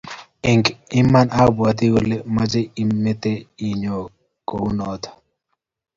Eng iman abwati kole mochei imete iyoe kounoto